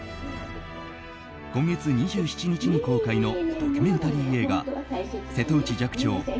今月２７日に公開のドキュメンタリー映画「瀬戸内寂聴